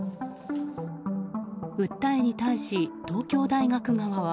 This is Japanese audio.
訴えに対し、東京大学側は。